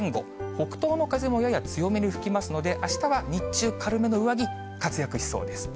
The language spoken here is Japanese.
北東の風もやや強めに吹きますので、あしたは日中、軽めの上着、活躍しそうです。